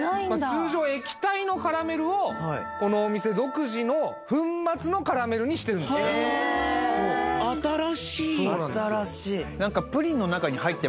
通常液体のカラメルをこのお店独自の粉末のカラメルにしてるえっ新しいそうなんですよ